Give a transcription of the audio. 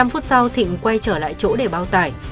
một mươi năm phút sau thịnh quay trở lại chỗ để bao tải